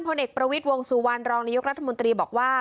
เด็กประวิทย์วงสุวรรณรองนายกรัฐมนตรีบอกว่า